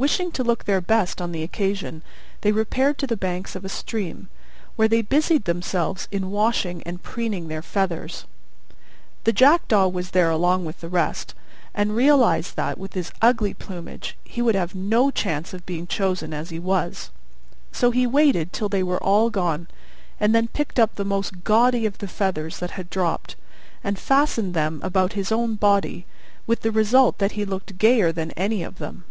Wishing to look their best on the occasion they repaired to the banks of a stream, where they busied themselves in washing and preening their feathers. The Jackdaw was there along with the rest, and realised that, with his ugly plumage, he would have no chance of being chosen as he was: so he waited till they were all gone, and then picked up the most gaudy of the feathers they had dropped, and fastened them about his own body, with the result that he looked gayer than any of them.